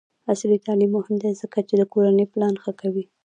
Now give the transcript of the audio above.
عصري تعلیم مهم دی ځکه چې د کورنۍ پلان ښه کوي.